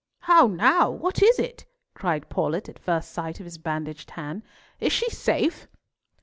"How now! What is it?" cried Paulett at first sight of his bandaged hand. "Is she safe?"